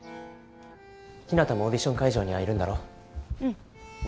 ひなたもオーディション会場にはいるんだろ？